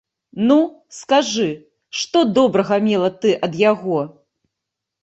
Ну, скажы, што добрага мела ты ад яго?